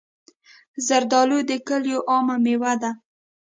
زردالو د کلیو عامه مېوه ده.